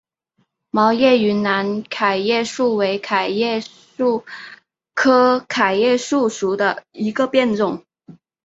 毛叶云南桤叶树为桤叶树科桤叶树属下的一个变种。